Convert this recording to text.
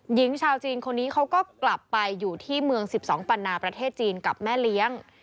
หญิงชาวจีนคนนี้เขาก็กลับไปอยู่ที่เมือง๑๒ปันนาประเทศจีนกับแม่เลี้ยง